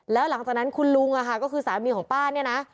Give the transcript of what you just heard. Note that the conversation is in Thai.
แล้วหลังจากนั้นคุณลุงก็คือสามีของป้าเนี่ยนะ